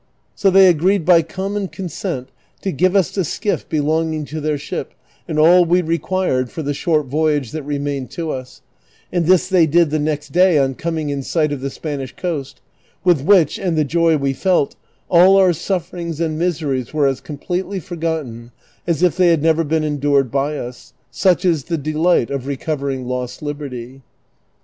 So they agreed by common consent to give us the skiff belojiging to their ship and all we re (juired for the short voyage that remained to us, and this they did the next day on coming in sight of the Spanish coast, with which, and the joy we felt, all our sufferings and miseries were as com pletely forgotten as if they had never been endured by us, such is the delight of I'ecovering lost liberty.